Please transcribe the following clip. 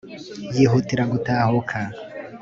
yihutira gutahuka